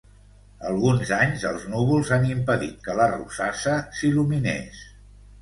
Alguns anys, els núvols han impedit que la rosassa s’il·luminés.